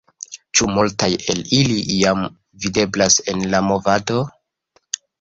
Ĉu multaj el ili jam videblas en la movado?